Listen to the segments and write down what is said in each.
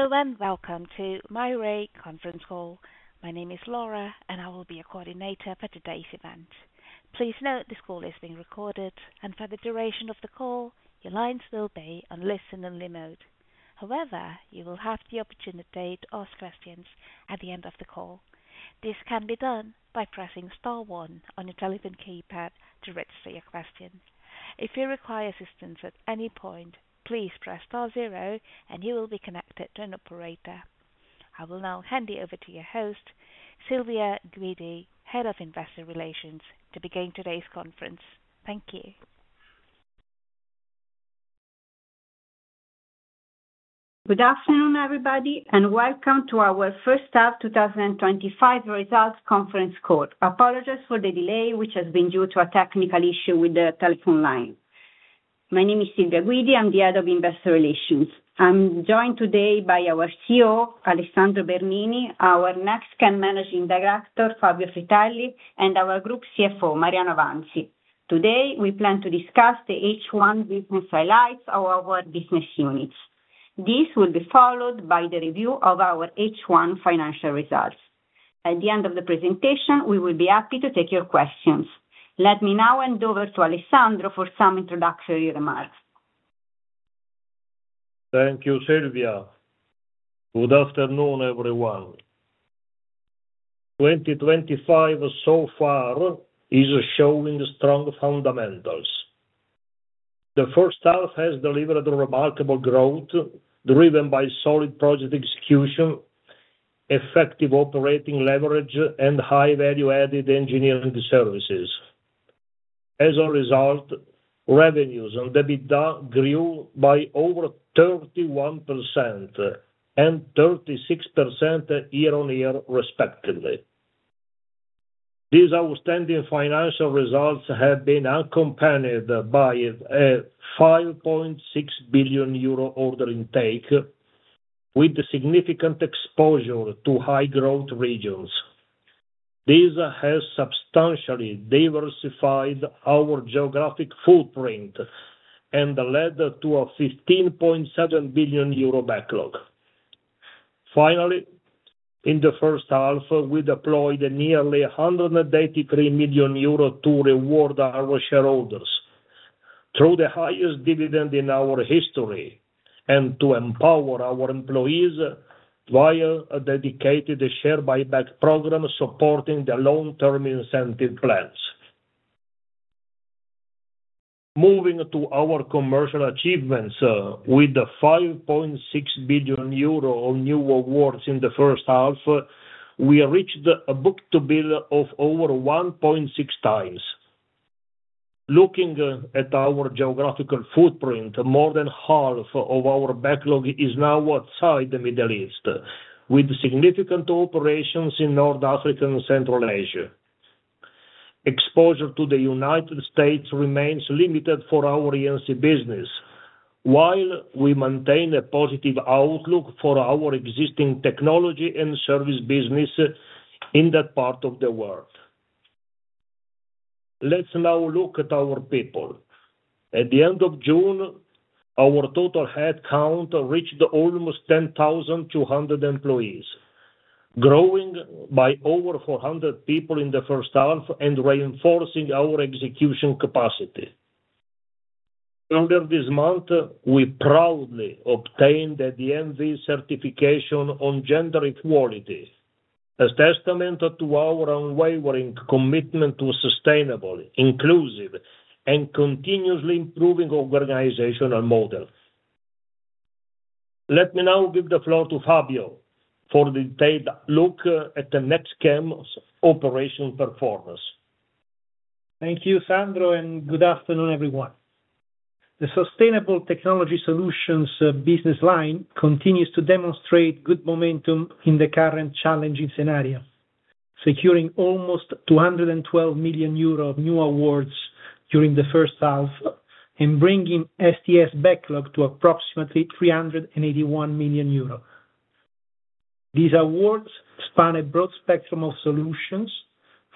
Hello and welcome to MAIRE Conference Call. My name is Laura, and I will be your coordinator for today's event. Please note this call is being recorded, and for the duration of the call, your lines will be on listen-only mode. However, you will have the opportunity to ask questions at the end of the call. This can be done by pressing star one on your telephone keypad to register your question. If you require assistance at any point, please press star zero, and you will be connected to an operator. I will now hand you over to your host, Silvia Guidi, Head of Investor Relations, to begin today's conference. Thank you. Good afternoon, everybody, and welcome to our First Half 2025 Results Conference Call. Apologies for the delay, which has been due to a technical issue with the telephone line. My name is Silvia Guidi. I'm the Head of Investor Relations. I'm joined today by our CEO, Alessandro Bernini, our NEXTCHEM Managing Director, Fabio Fritelli, and our Group CFO, Mariano Avanzi. Today, we plan to discuss the H1 business highlights of our business units. This will be followed by the review of our H1 financial results. At the end of the presentation, we will be happy to take your questions. Let me now hand over to Alessandro for some introductory remarks. Thank you, Silvia. Good afternoon, everyone. 2025 so far is showing strong fundamentals. The first half has delivered remarkable growth, driven by solid project execution, effective operating leverage, and high value-added engineering services. As a result, revenues and EBITDA grew by over 31% and 36% year-on-year, respectively. These outstanding financial results have been accompanied by a 5.6 billion euro order intake, with significant exposure to high-growth regions. This has substantially diversified our geographic footprint and led to a 15.7 billion euro backlog. Finally, in the first half, we deployed nearly 183 million euro to reward our shareholders through the highest dividend in our history and to empower our employees via a dedicated share buyback program supporting the long-term incentive plans. Moving to our commercial achievements, with 5.6 billion euro of new awards in the first half, we reached a book-to-bill of over 1.6x. Looking at our geographical footprint, more than half of our backlog is now outside the Middle East, with significant operations in North Africa and Central Asia. Exposure to the U.S. remains limited for our engineering and procurement contracts business, while we maintain a positive outlook for our existing technology and service business in that part of the world. Let's now look at our people. At the end of June, our total headcount reached almost 10,200 employees, growing by over 400 people in the first half and reinforcing our execution capacity. Earlier this month, we proudly obtained the DNV certification on gender equality, a testament to our unwavering commitment to a sustainable, inclusive, and continuously improving organizational model. Let me now give the floor to Fabio for a detailed look at the NEXTCHEM operation performance. Thank you, Sandro, and good afternoon, everyone. The Sustainable Technology Solutions business line continues to demonstrate good momentum in the current challenging scenario, securing almost 212 million euro of new awards during the first half and bringing STS backlog to approximately 381 million euros. These awards span a broad spectrum of solutions,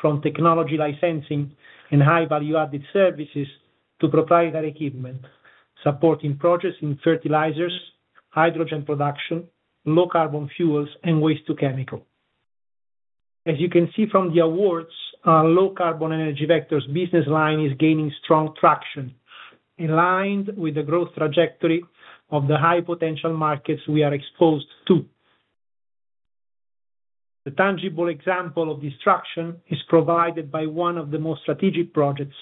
from technology licensing and high value-added services to proprietary equipment, supporting projects in fertilizers, hydrogen production, low carbon fuels, and waste-to-chemicals. As you can see from the awards, our low carbon energy vectors business line is gaining strong traction, aligned with the growth trajectory of the high potential markets we are exposed to. The tangible example of this traction is provided by one of the most strategic projects,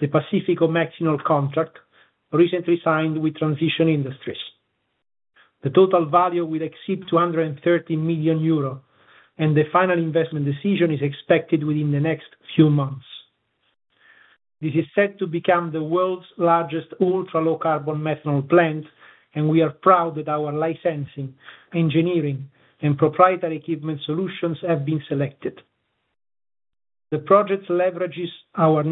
the Pacifico Mexinol contract recently signed with Transition Industries. The total value will exceed 230 million euro, and the final investment decision is expected within the next few months. This is set to become the world's largest ultra-low carbon methanol plant, and we are proud that our licensing, engineering, and proprietary equipment solutions have been selected. The project leverages our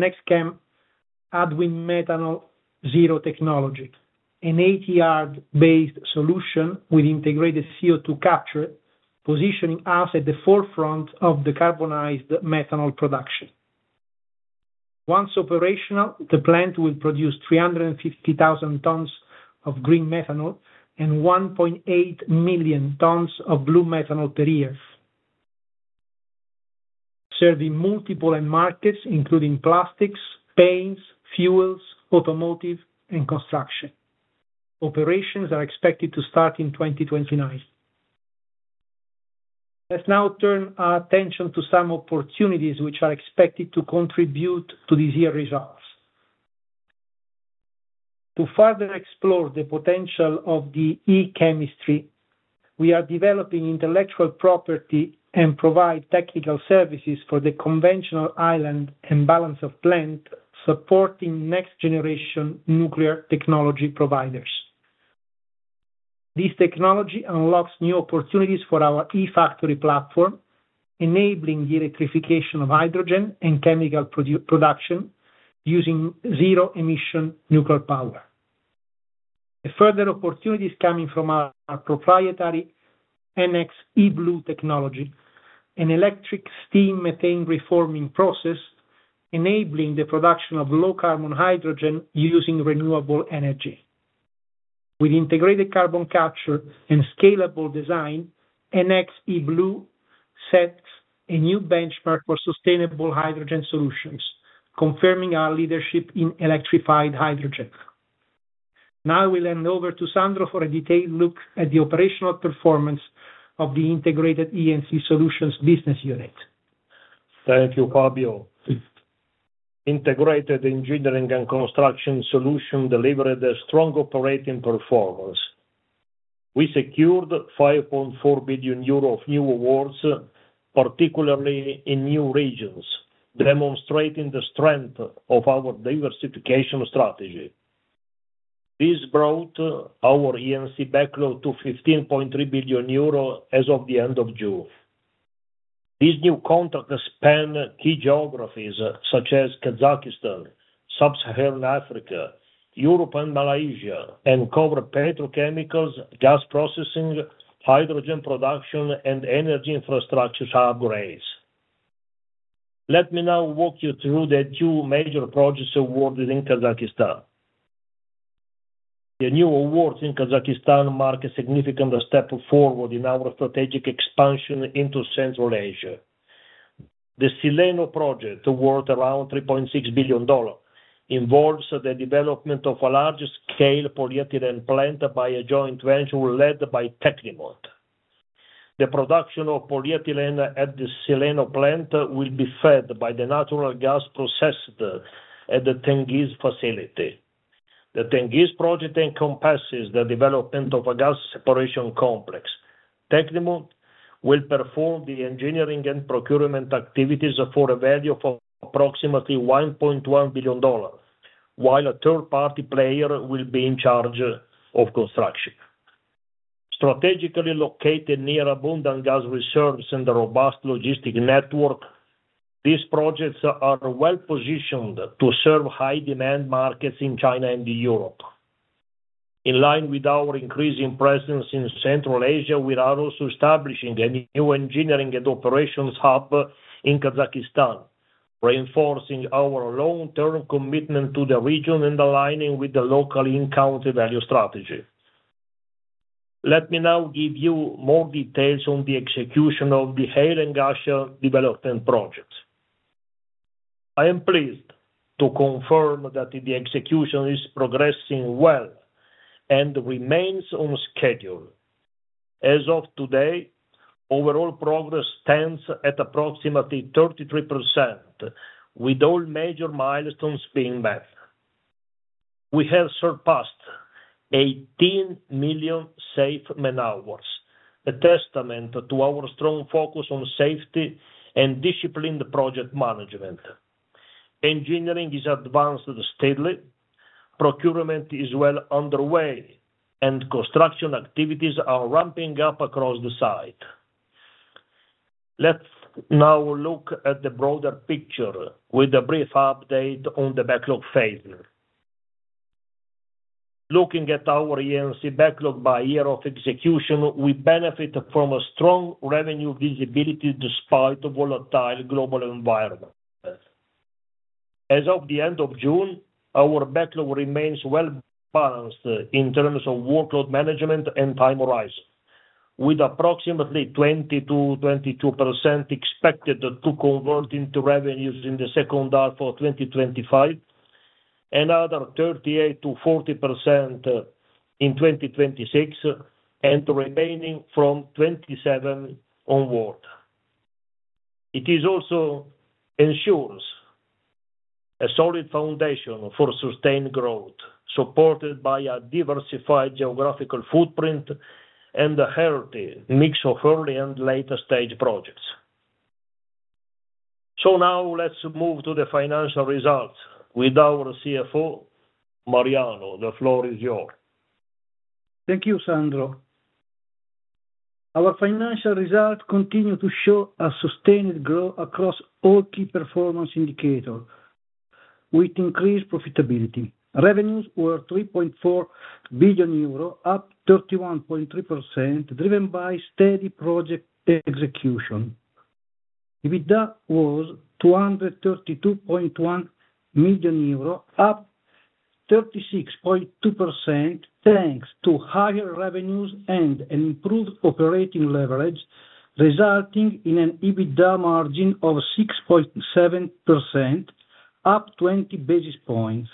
NEXTCHEM AdWinMethanol Zero technology, an ATR-based solution with integrated CO2 capture, positioning us at the forefront of decarbonized methanol production. Once operational, the plant will produce 350,000 tons of green methanol and 1.8 million tons of blue methanol per year, serving multiple end markets, including plastics, paints, fuels, automotive, and construction. Operations are expected to start in 2029. Let's now turn our attention to some opportunities which are expected to contribute to this year's results. To further explore the potential of the e-chemistry, we are developing intellectual property and provide technical services for the conventional island and balance of plant, supporting next-generation nuclear technology providers. This technology unlocks new opportunities for our e-factory platform, enabling the electrification of hydrogen and chemical production using zero-emission nuclear power. Further opportunities coming from our proprietary NX eBlue technology, an electric steam methane reforming process, enabling the production of low carbon hydrogen using renewable energy. With integrated carbon capture and scalable design, NX eBlue sets a new benchmark for sustainable hydrogen solutions, confirming our leadership in electrified hydrogen. Now we'll hand over to Sandro for a detailed look at the operational performance of the integrated E&C solutions business unit. Thank you, Fabio. Integrated engineering and construction solution delivered a strong operating performance. We secured 5.4 billion euro of new awards, particularly in new regions, demonstrating the strength of our diversification strategy. This brought our engineering and procurement contracts backlog to 15.3 billion euro as of the end of June. This new contract spans key geographies such as Kazakhstan, Sub-Saharan Africa, Europe, and Malaysia, and covers petrochemicals, gas processing, hydrogen production, and energy infrastructure upgrades. Let me now walk you through the two major projects awarded in Kazakhstan. The new awards in Kazakhstan mark a significant step forward in our strategic expansion into Central Asia. The Silleno Project, worth around $3.6 billion, involves the development of a large-scale polyethylene plant by a joint venture led by TECNIMONT. The production of polyethylene at the Silleno plant will be fed by the natural gas processor at the Tengiz facility. The Tengiz project encompasses the development of a gas separation complex. TECNIMONT will perform the engineering and procurement activities for a value of approximately $1.1 billion, while a third-party player will be in charge of construction. Strategically located near abundant gas reserves and a robust logistic network, these projects are well-positioned to serve high-demand markets in China and Europe. In line with our increasing presence in Central Asia, we are also establishing a new engineering and operations hub in Kazakhstan, reinforcing our long-term commitment to the region and aligning with the local in-country value strategy. Let me now give you more details on the execution of the Hail and Ghasha development project. I am pleased to confirm that the execution is progressing well and remains on schedule. As of today, overall progress stands at approximately 33%, with all major milestones being met. We have surpassed 18 million safe man-hours, a testament to our strong focus on safety and disciplined project management. Engineering is advancing steadily, procurement is well underway, and construction activities are ramping up across the site. Let's now look at the broader picture with a brief update on the backlog phase. Looking at our engineering and procurement contracts backlog by year of execution, we benefit from a strong revenue visibility despite a volatile global environment. As of the end of June, our backlog remains well balanced in terms of workload management and time horizon, with approximately 20%-22% expected to convert into revenues in the second half of 2025, another 38%-40% in 2026, and remaining from 2027 onward. It also ensures a solid foundation for sustained growth, supported by a diversified geographical footprint and a healthy mix of early and late-stage projects. Now let's move to the financial results with our CFO, Mariano. The floor is yours. Thank you, Sandro. Our financial results continue to show a sustained growth across all key performance indicators, with increased profitability. Revenues were 3.4 billion euro, up 31.3%, driven by steady project execution. EBITDA was EUR 232.1 million, up 36.2%, thanks to higher revenues and an improved operating leverage, resulting in an EBITDA margin of 6.7%, up 20 basis points.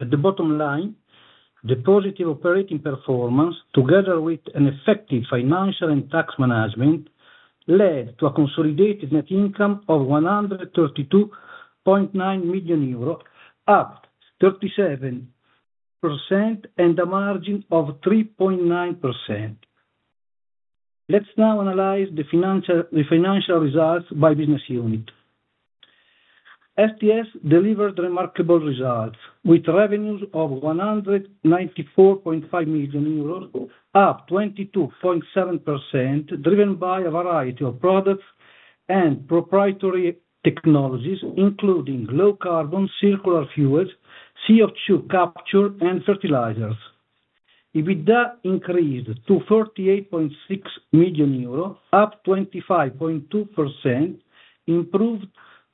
At the bottom line, the positive operating performance, together with an effective financial and tax management, led to a consolidated net income of 132.9 million euro, up 37%, and a margin of 3.9%. Let's now analyze the financial results by business unit. STS delivered remarkable results with revenues of 194.5 million euros, up 22.7%, driven by a variety of products and proprietary technologies, including low carbon, circular fuels, CO₂ capture, and fertilizers. EBITDA increased to 38.6 million euro, up 25.2%. Improved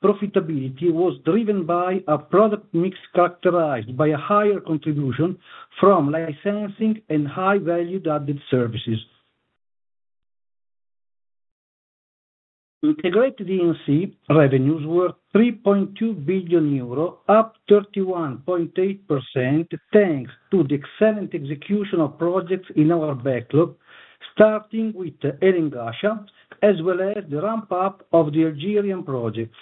profitability was driven by a product mix characterized by a higher contribution from licensing and high value-added services. Integrated E&C revenues were 3.2 billion euro, up 31.8%, thanks to the excellent execution of projects in our backlog, starting with Hail and Ghasha, as well as the ramp-up of the Algerian projects.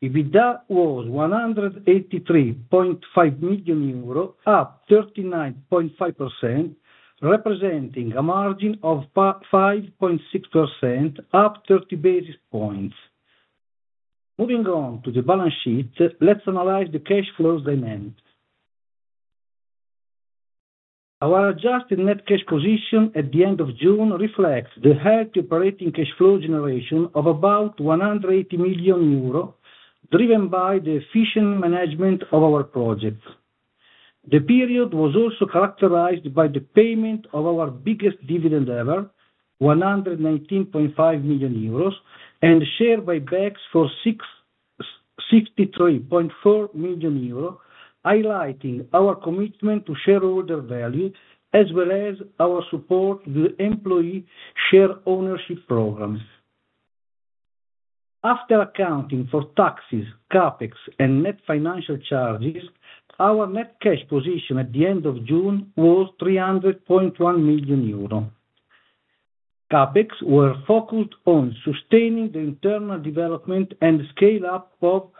EBITDA was 183.5 million euro, up 39.5%, representing a margin of 5.6%, up 30 basis points. Moving on to the balance sheet, let's analyze the cash flows dimension. Our adjusted net cash position at the end of June reflects the healthy operating cash flow generation of about 180 million euro, driven by the efficient management of our projects. The period was also characterized by the payment of our biggest dividend ever, 119.5 million euros, and share buybacks for 63.4 million euros, highlighting our commitment to shareholder value, as well as our support to the employee share ownership programs. After accounting for taxes, CapEx, and net financial charges, our net cash position at the end of June was 300.1 million euro. CapEx were focused on sustaining the internal development and scale-up of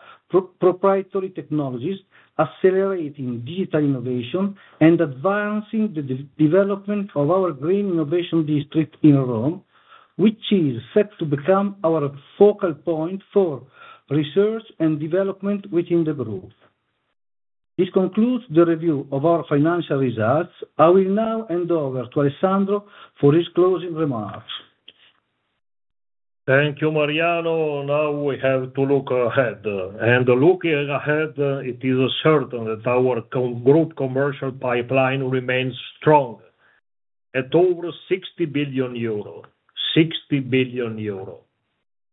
proprietary technologies, accelerating digital innovation, and advancing the development of our Green Innovation District in Rome, which is set to become our focal point for research and development within the group. This concludes the review of our financial results. I will now hand over to Alessandro for his closing remarks. Thank you, Mariano. Now we have to look ahead, and looking ahead, it is certain that our group commercial pipeline remains strong at over 60 billion euro, 60 billion euro,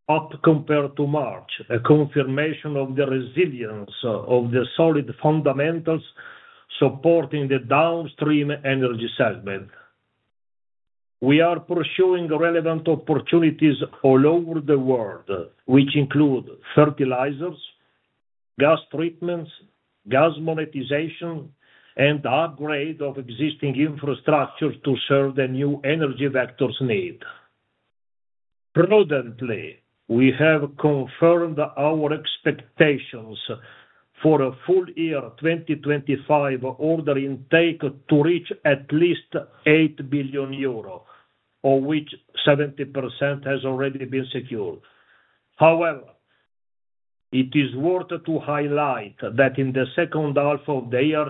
up compared to March, a confirmation of the resilience of the solid fundamentals supporting the downstream energy segment. We are pursuing relevant opportunities all over the world, which include fertilizers, gas treatments, gas monetization, and the upgrade of existing infrastructure to serve the new energy vectors' needs. Prudently, we have confirmed our expectations for a full year 2025 order intake to reach at least 8 billion euro, of which 70% has already been secured. However, it is worth to highlight that in the second half of the year,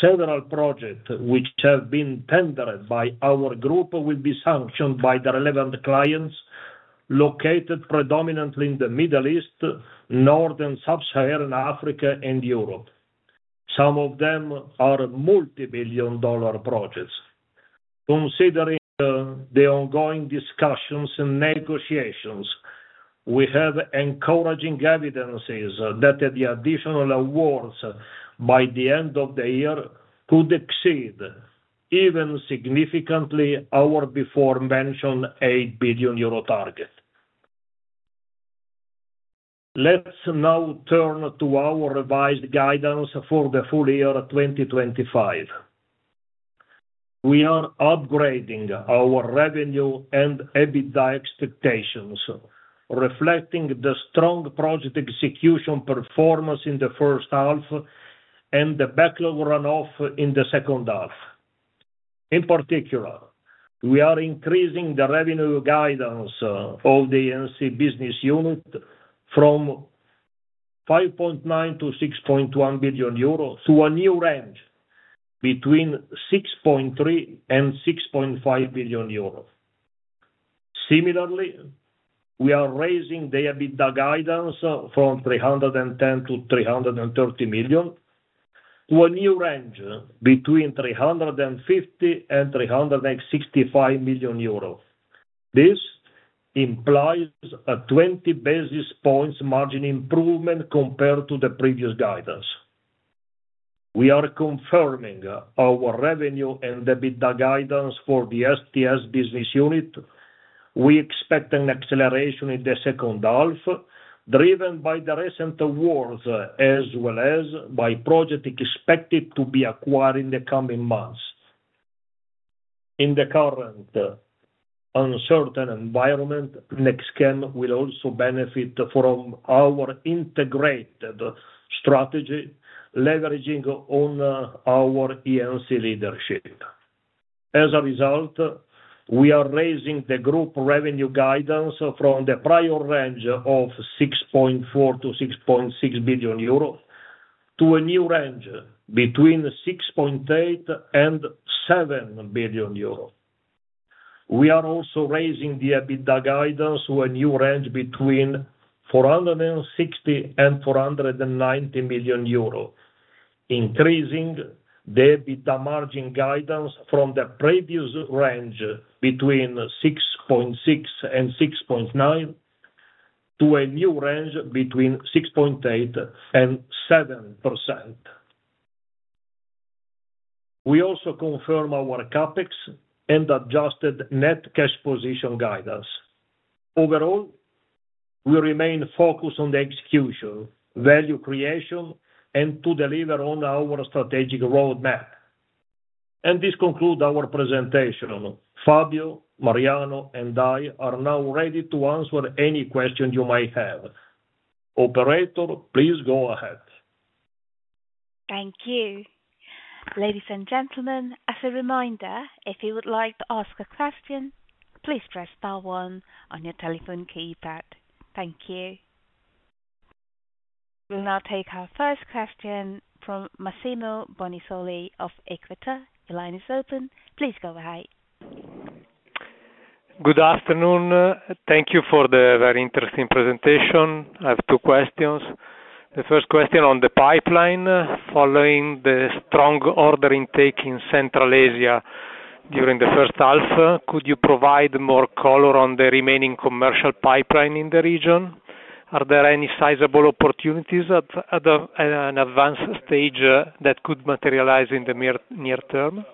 several projects which have been tendered by our group will be sanctioned by the relevant clients, located predominantly in the Middle East, North Africa, and Europe. Some of them are multi-billion dollar projects. Considering the ongoing discussions and negotiations, we have encouraging evidences that the additional awards by the end of the year could exceed even significantly our before-mentioned EUR 8 billion target. Let's now turn to our revised guidance for the full year 2025. We are upgrading our revenue and EBITDA expectations, reflecting the strong project execution performance in the first half and the backlog runoff in the second half. In particular, we are increasing the revenue guidance of the E&C business unit from 5.9 billion to 6.1 billion euro to a new range between 6.3 billion and 6.5 billion euro. Similarly, we are raising the EBITDA guidance from 310 million to 330 million to a new range between 350 million and 365 million euro. This implies a 20 basis points margin improvement compared to the previous guidance. We are confirming our revenue and EBITDA guidance for the STS business unit. We expect an acceleration in the second half, driven by the recent awards, as well as by projects expected to be acquired in the coming months. In the current uncertain environment, NEXTCHEM will also benefit from our integrated strategy, leveraging on our E&C leadership. As a result, we are raising the group revenue guidance from the prior range of 6.4 billion-6.6 billion euro to a new range between 6.8 billion and 7 billion euro. We are also raising the EBITDA guidance to a new range between 460 million and 490 million euros, increasing the EBITDA margin guidance from the previous range between 6.6% and 6.9% to a new range between 6.8% and 7%. We also confirm our CapEx and adjusted net cash position guidance. Overall, we remain focused on the execution, value creation, and to deliver on our strategic roadmap. This concludes our presentation. Fabio, Mariano, and I are now ready to answer any questions you might have. Operator, please go ahead. Thank you. Ladies and gentlemen, as a reminder, if you would like to ask a question, please press star one on your telephone keypad. Thank you. We'll now take our first question from Massimo Bonisoli of Equita. The line is open. Please go ahead. Good afternoon. Thank you for the very interesting presentation. I have two questions. The first question is on the pipeline following the strong order intake in Central Asia during the first half. Could you provide more color on the remaining commercial pipeline in the region? Are there any sizable opportunities at an advanced stage that could materialize in the near term?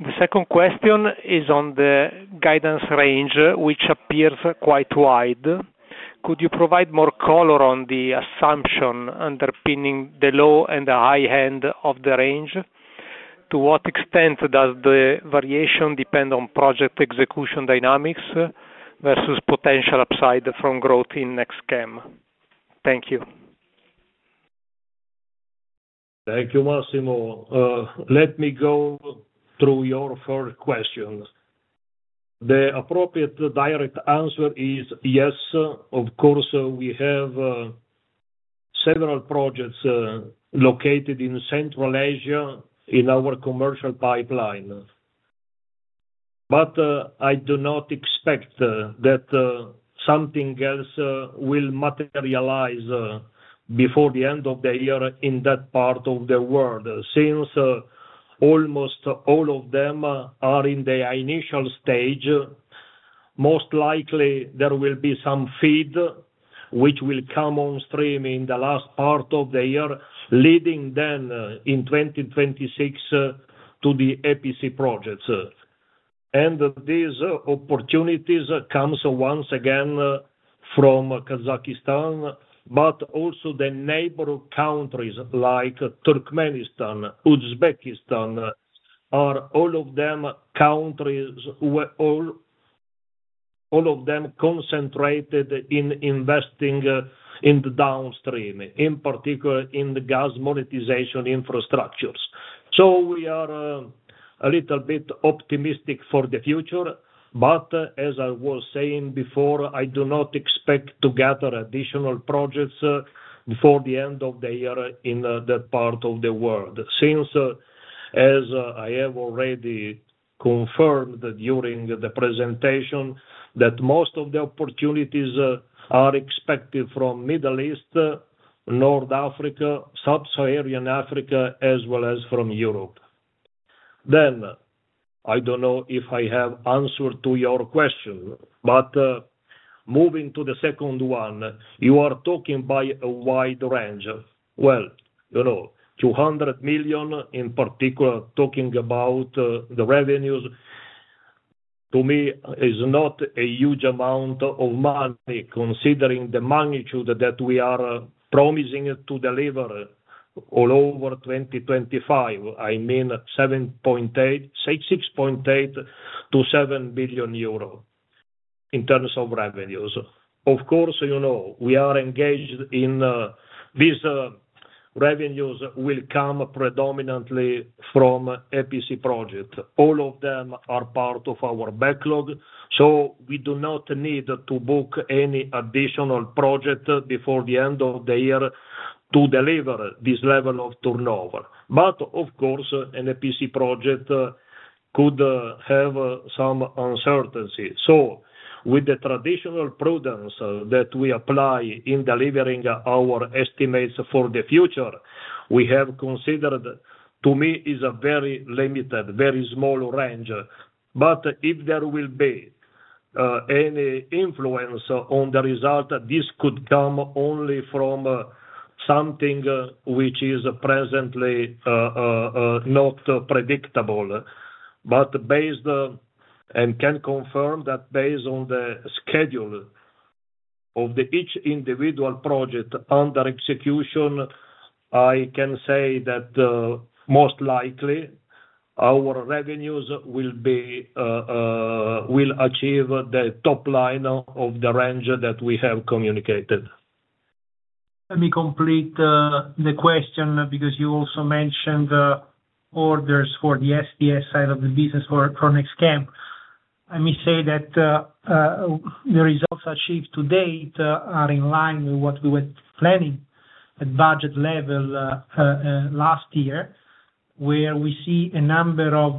The second question is on the guidance range, which appears quite wide. Could you provide more color on the assumption underpinning the low and the high end of the range? To what extent does the variation depend on project execution dynamics versus potential upside from growth in NEXTCHEM? Thank you. Thank you, Massimo. Let me go through your first question. The appropriate direct answer is yes. Of course, we have several projects located in Central Asia in our commercial pipeline. I do not expect that something else will materialize before the end of the year in that part of the world. Since almost all of them are in the initial stage, most likely there will be some feed which will come on stream in the last part of the year, leading then in 2026 to the EPC projects. These opportunities come once again from Kazakhstan, but also the neighboring countries like Turkmenistan, Uzbekistan, all of them countries where all of them concentrated in investing in the downstream, in particular in the gas monetization infrastructures. We are a little bit optimistic for the future. As I was saying before, I do not expect to gather additional projects before the end of the year in that part of the world. As I have already confirmed during the presentation, most of the opportunities are expected from the Middle East, North Africa, Sub-Saharan Africa, as well as from Europe. I don't know if I have answered to your question, but moving to the second one, you are talking about a wide range. You know, 200 million in particular, talking about the revenues, to me, is not a huge amount of money considering the magnitude that we are promising to deliver all over 2025. I mean 6.8 billion-7 billion euro in terms of revenues. Of course, we are engaged in these revenues that will come predominantly from EPC projects. All of them are part of our backlog, so we do not need to book any additional projects before the end of the year to deliver this level of turnover. An EPC project could have some uncertainty. With the traditional prudence that we apply in delivering our estimates for the future, we have considered, to me, is a very limited, very small range. If there will be any influence on the result, this could come only from something which is presently not predictable. Based on, and can confirm that based on the schedule of each individual project under execution, I can say that most likely our revenues will achieve the top line of the range that we have communicated. Let me complete the question because you also mentioned orders for the STS side of the business for NEXTCHEM. I may say that the results achieved to date are in line with what we were planning at budget level last year, where we see a number of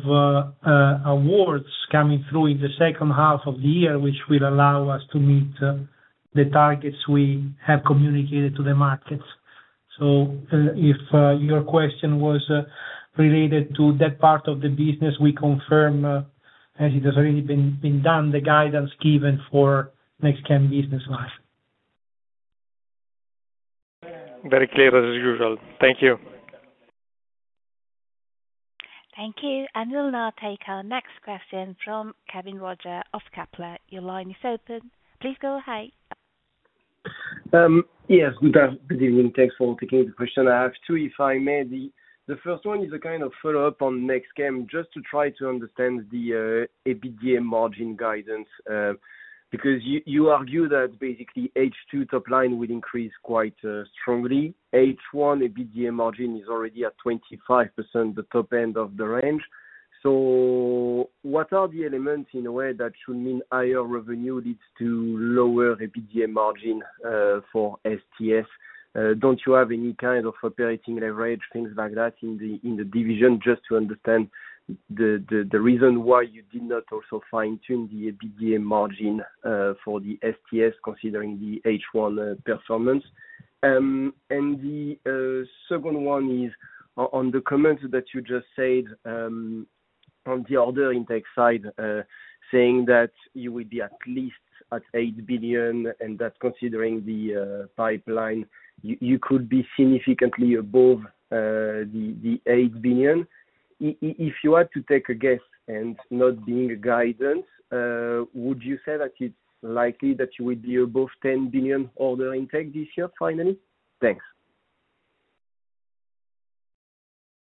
awards coming through in the second half of the year, which will allow us to meet the targets we have communicated to the markets. If your question was related to that part of the business, we confirm, as it has already been done, the guidance given for NEXTCHEM business line. Very clear as usual. Thank you. Thank you. We will now take our next question from Kévin Roger of Kepler. Your line is open. Please go ahead. Yes, good evening. Thanks for taking the question. I have two, if I may. The first one is a kind of follow-up on NEXTCHEM, just to try to understand the EBITDA margin guidance, because you argue that basically H2 top line will increase quite strongly. H1 EBITDA margin is already at 25%, the top end of the range. What are the elements in a way that should mean higher revenue leads to lower EBITDA margin for STS? Don't you have any kind of operating leverage, things like that in the division, just to understand the reason why you did not also fine-tune the EBITDA margin for the STS, considering the H1 performance? The second one is on the comments that you just said on the order intake side, saying that you would be at least at 8 billion and that considering the pipeline, you could be significantly above the 8 billion. If you had to take a guess and not being guidance, would you say that it's likely that you would be above 10 billion order intake this year finally? Thanks.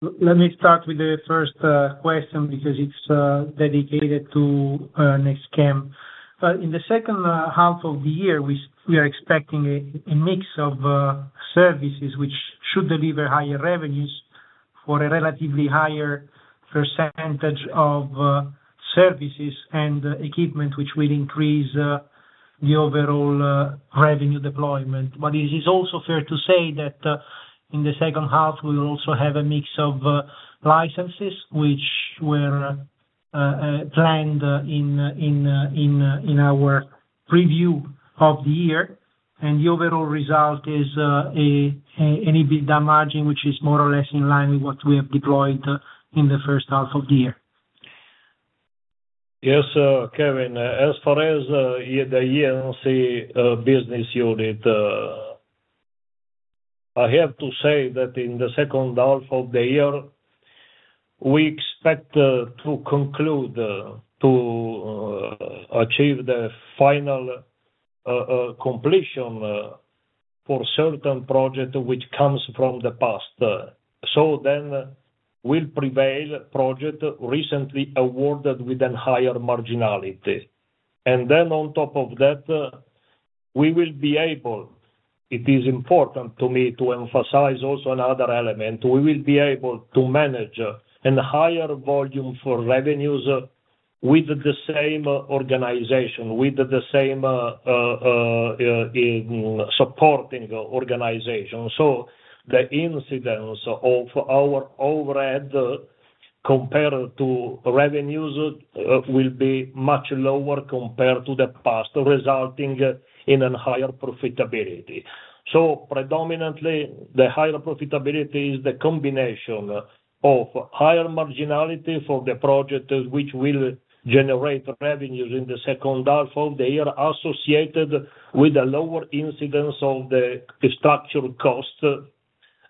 Let me start with the first question because it's dedicated to NEXTCHEM. In the second half of the year, we are expecting a mix of services which should deliver higher revenues for a relatively higher percentage of services and equipment, which will increase the overall revenue deployment. It is also fair to say that in the second half, we will also have a mix of licenses, which were planned in our preview of the year. The overall result is an EBITDA margin which is more or less in line with what we have deployed in the first half of the year. Yes, Kévin, as far as the E&C business unit, I have to say that in the second half of the year, we expect to conclude to achieve the final completion for certain projects which come from the past. We'll prevail projects recently awarded with a higher marginality. On top of that, it is important to me to emphasize also another element, we will be able to manage a higher volume for revenues with the same organization, with the same supporting organization. The incidence of our overhead compared to revenues will be much lower compared to the past, resulting in a higher profitability. Predominantly, the higher profitability is the combination of higher marginality for the project which will generate revenues in the second half of the year associated with a lower incidence of the structured cost,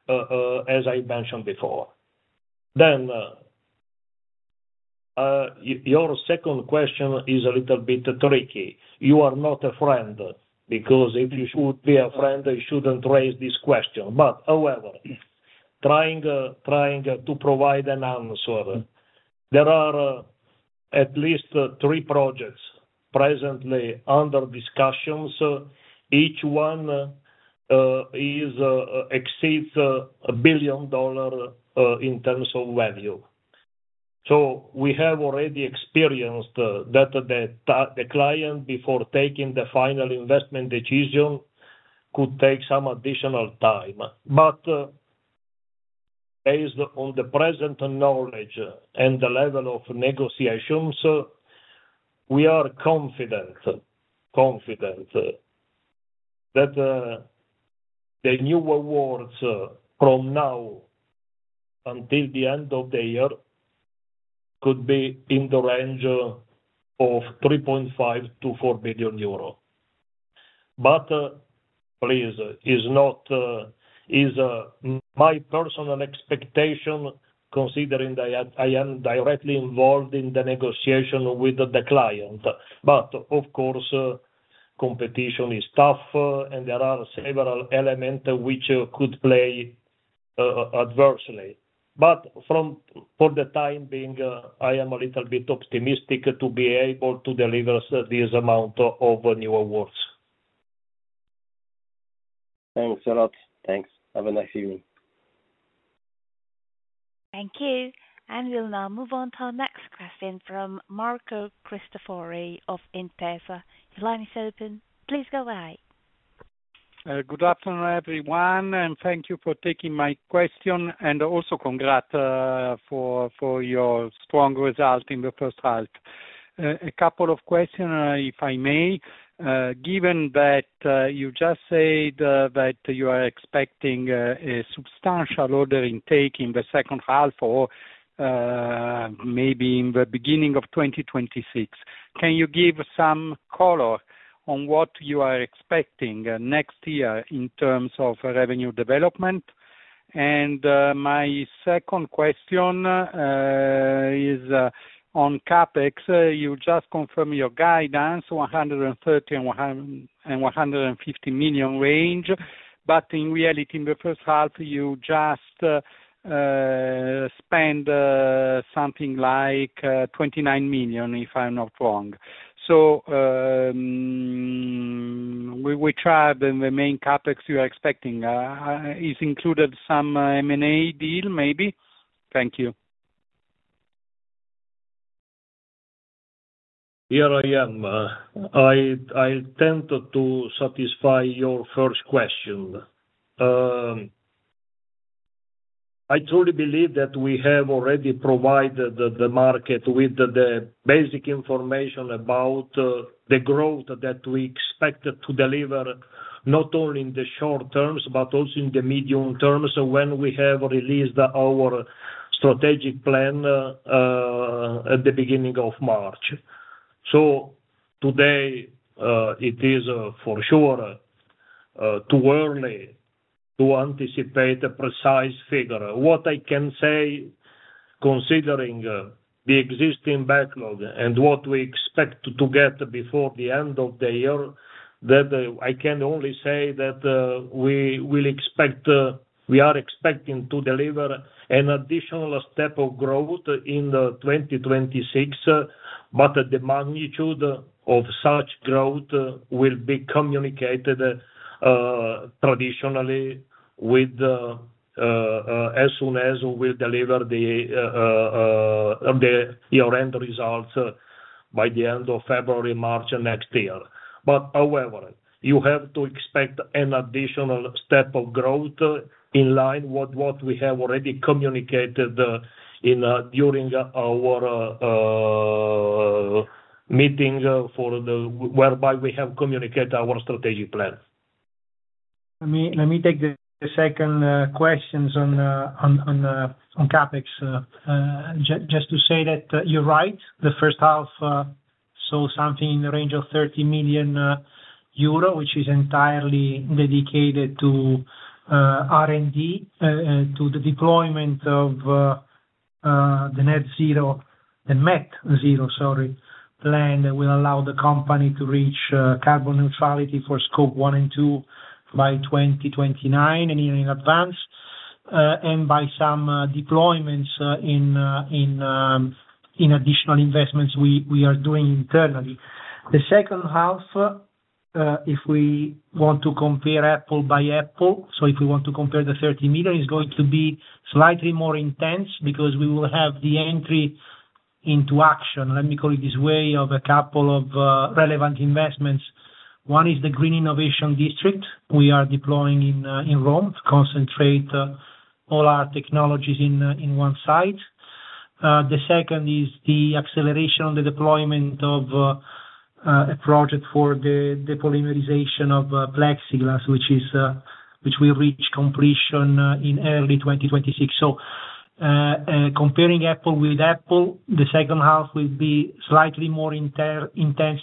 as I mentioned before. Your second question is a little bit tricky. You are not a friend because if you would be a friend, I shouldn't raise this question. However, trying to provide an answer, there are at least three projects presently under discussions. Each one exceeds $1 billion in terms of value. We have already experienced that the client, before taking the final investment decision, could take some additional time. Based on the present knowledge and the level of negotiations, we are confident that the new awards from now until the end of the year could be in the range of 3.5 billion-4 billion euro. Please, it's not my personal expectation considering that I am directly involved in the negotiation with the client. Of course, competition is tough and there are several elements which could play adversely. For the time being, I am a little bit optimistic to be able to deliver this amount of new awards. Thanks a lot. Thanks. Have a nice evening. Thank you. We'll now move on to our next question from Marco Cristofori of Intesa. Your line is open. Please go ahead. Good afternoon, everyone, and thank you for taking my question and also congrats for your strong result in the first half. A couple of questions, if I may. Given that you just said that you are expecting a substantial order intake in the second half or maybe in the beginning of 2026, can you give some color on what you are expecting next year in terms of revenue development? My second question is on CapEx. You just confirmed your guidance, 130 million and 150 million range. In reality, in the first half, you just spent something like 29 million, if I'm not wrong. Which are the main CapEx you are expecting? Is included some M&A deal, maybe? Thank you. Here I am. I intend to satisfy your first question. I truly believe that we have already provided the market with the basic information about the growth that we expect to deliver, not only in the short terms, but also in the medium terms when we have released our strategic plan at the beginning of March. Today, it is for sure too early to anticipate a precise figure. What I can say, considering the existing backlog and what we expect to get before the end of the year, is that I can only say that we are expecting to deliver an additional step of growth in 2026. The magnitude of such growth will be communicated traditionally as soon as we deliver year-end results by the end of February, March next year. However, you have to expect an additional step of growth in line with what we have already communicated during our meeting where we have communicated our strategic plan. Let me take the second question on CapEx. Just to say that you're right, the first half saw something in the range of 30 million euro, which is entirely dedicated to R&D, to the deployment of the net zero, the net zero, sorry, plan that will allow the company to reach carbon neutrality for scope one and two by 2029 and even in advance, and by some deployments in additional investments we are doing internally. The second half, if we want to compare apple by apple, so if we want to compare the 30 million, it's going to be slightly more intense because we will have the entry into action, let me call it this way, of a couple of relevant investments. One is the Green Innovation District we are deploying in Rome to concentrate all our technologies in one site. The second is the acceleration on the deployment of a project for the polymerization of PLEXIGLAS, which will reach completion in early 2026. Comparing apple with apple, the second half will be slightly more intense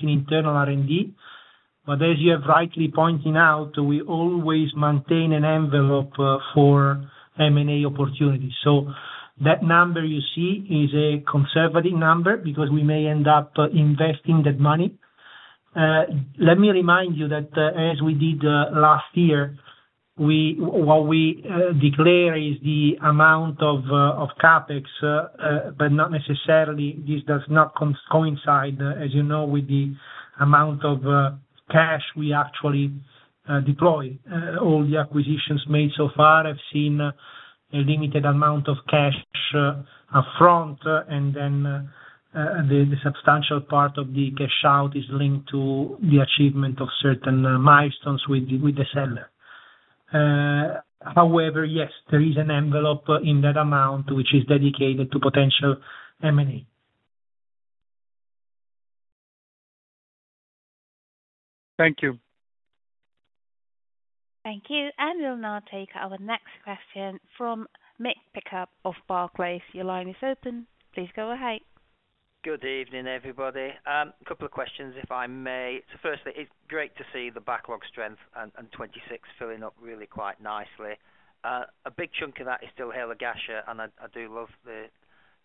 in internal R&D. As you have rightly pointed out, we always maintain an envelope for M&A opportunities. That number you see is a conservative number because we may end up investing that money. Let me remind you that as we did last year, what we declare is the amount of CapEx, but not necessarily this does not coincide, as you know, with the amount of cash we actually deploy. All the acquisitions made so far have seen a limited amount of cash upfront, and then the substantial part of the cash out is linked to the achievement of certain milestones with the seller. However, yes, there is an envelope in that amount which is dedicated to potential M&A. Thank you. Thank you. We'll now take our next question from Mick Pickup of Barclays. Your line is open. Please go ahead. Good evening, everybody. A couple of questions, if I may. Firstly, it's great to see the backlog strength and 2026 filling up really quite nicely. A big chunk of that is still Hail and Ghasha, and I do love the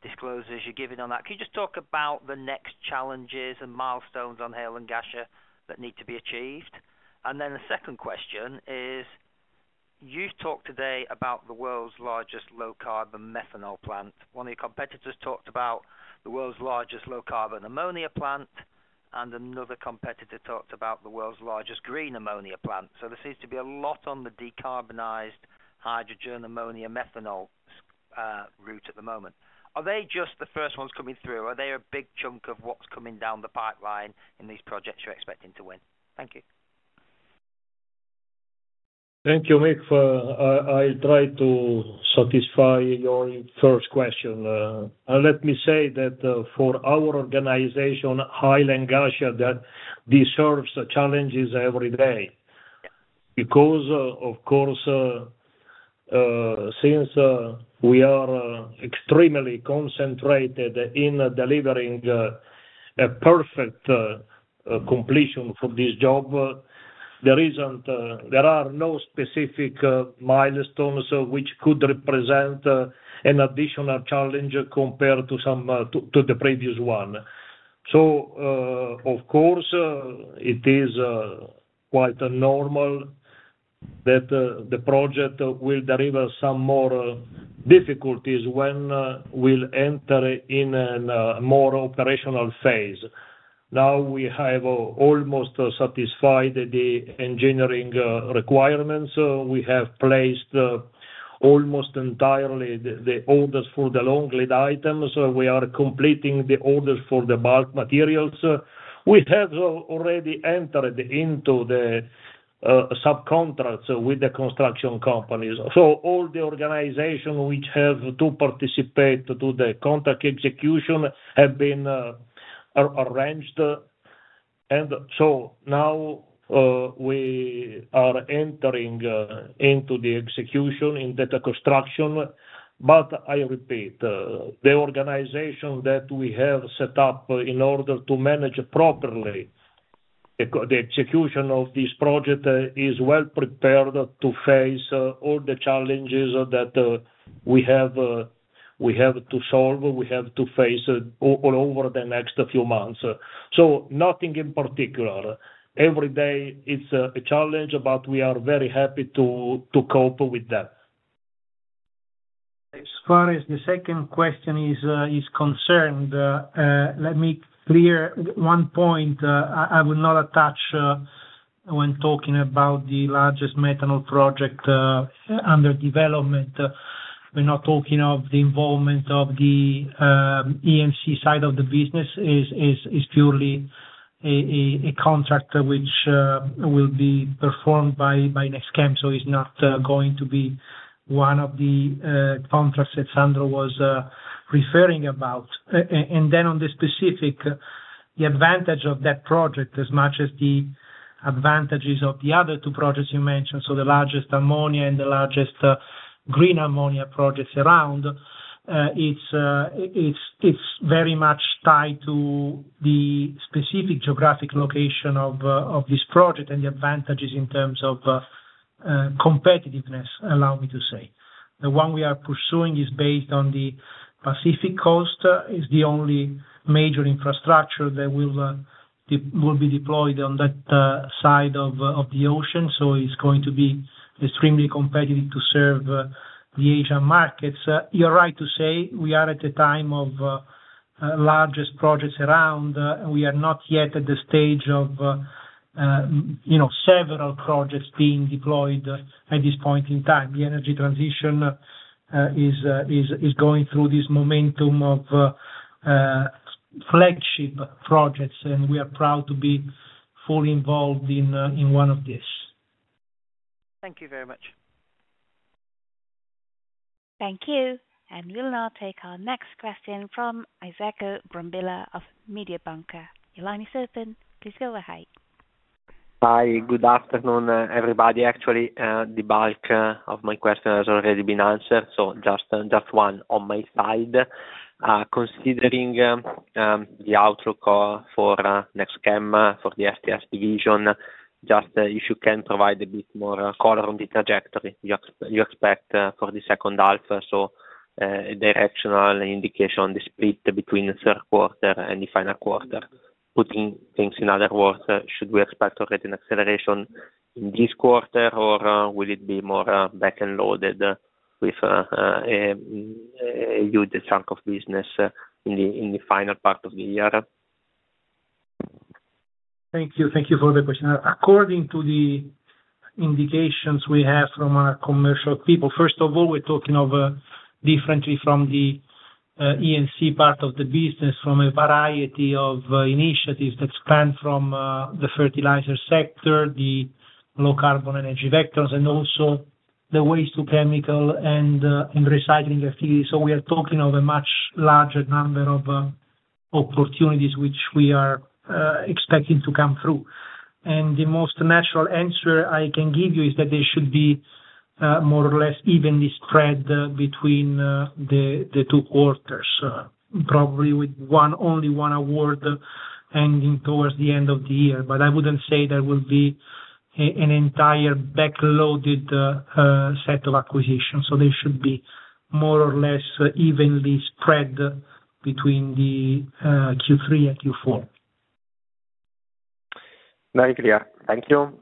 disclosures you're giving on that. Can you just talk about the next challenges and milestones on Hail and Ghasha that need to be achieved? The second question is, you've talked today about the world's largest low carbon methanol plant. One of your competitors talked about the world's largest low carbon ammonia plant, and another competitor talked about the world's largest green ammonia plant. There seems to be a lot on the decarbonized hydrogen ammonia methanol route at the moment. Are they just the first ones coming through? Are they a big chunk of what's coming down the pipeline in these projects you're expecting to win? Thank you. Thank you, Mick. I'll try to satisfy your first question. Let me say that for our organization, Hail and Ghasha, that deserves challenges every day. Because, of course, since we are extremely concentrated in delivering a perfect completion for this job, there are no specific milestones which could represent an additional challenge compared to the previous one. It is quite normal that the project will deliver some more difficulties when we'll enter in a more operational phase. Now we have almost satisfied the engineering requirements. We have placed almost entirely the orders for the long lead items. We are completing the orders for the bulk materials. We have already entered into the subcontracts with the construction companies. All the organizations which have to participate to the contract execution have been arranged. Now we are entering into the execution in data construction. I repeat, the organization that we have set up in order to manage properly the execution of this project is well prepared to face all the challenges that we have to solve, we have to face all over the next few months. Nothing in particular. Every day it's a challenge, but we are very happy to cope with that. As far as the second question is concerned, let me clear one point. I will not attach when talking about the largest methanol project under development. We're not talking of the involvement of the E&C side of the business. It's purely a contract which will be performed by NEXTCHEM. It's not going to be one of the contracts that Sandro was referring about. On the specific, the advantage of that project, as much as the advantages of the other two projects you mentioned, so the largest ammonia and the largest green ammonia projects around, it's very much tied to the specific geographic location of this project and the advantages in terms of competitiveness, allow me to say. The one we are pursuing is based on the Pacific coast. It's the only major infrastructure that will be deployed on that side of the ocean. It's going to be extremely competitive to serve the Asian markets. You're right to say we are at the time of the largest projects around. We are not yet at the stage of several projects being deployed at this point in time. The energy transition is going through this momentum of flagship projects, and we are proud to be fully involved in one of these. Thank you very much. Thank you. We'll now take our next question from Isacco Brambilla of Mediobanca. Your line is open. Please go ahead. Hi. Good afternoon, everybody. Actually, the bulk of my question has already been answered, so just one on my side. Considering the outlook for NEXTCHEM for the STS division, just if you can provide a bit more color on the trajectory you expect for the second half, so a directional indication on the split between the third quarter and the final quarter. Putting things in other words, should we expect already an acceleration in this quarter, or will it be more back-end loaded with a huge chunk of business in the final part of the year? Thank you. Thank you for the question. According to the indications we have from our commercial people, first of all, we're talking of, differently from the E&C part of the business, a variety of initiatives that span from the fertilizer sector, the low carbon energy vectors, and also the waste-to-chemical and recycling activities. We are talking of a much larger number of opportunities which we're expecting to come through. The most natural answer I can give you is that they should be more or less evenly spread between the two quarters, probably with only one award ending towards the end of the year. I wouldn't say there will be an entire backloaded set of acquisitions. They should be more or less evenly spread between Q3 and Q4. Very clear. Thank you.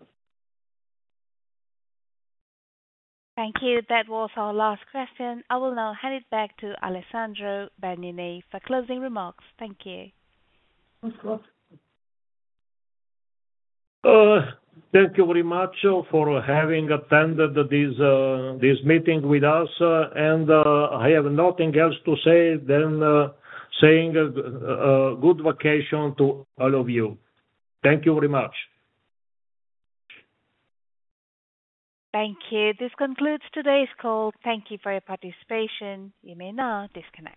Thank you. That was our last question. I will now hand it back to Alessandro Bernini for closing remarks. Thank you. Thank you very much for having attended this meeting with us. I have nothing else to say than saying a good vacation to all of you. Thank you very much. Thank you. This concludes today's call. Thank you for your participation. You may now disconnect.